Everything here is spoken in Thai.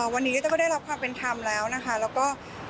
วันนี้ริต้าก็ได้รับความเป็นคำแล้วนะคะแล้วก็